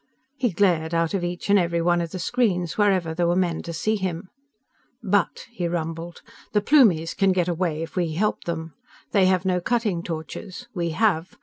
_" He glared out of each and every one of the screens, wherever there were men to see him. "But," he rumbled, "_the Plumies can get away if we help them. They have no cutting torches. We have.